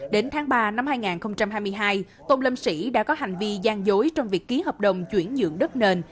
đến tháng ba năm hai nghìn hai mươi hai tôn lâm sĩ đã có hành vi gian dối trong việc ký hợp đồng chuyển nhượng đất nền